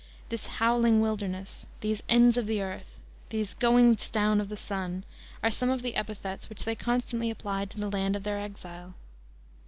"This howling wilderness," "these ends of the earth," "these goings down of the sun," are some of the epithets which they constantly applied to the land of their exile.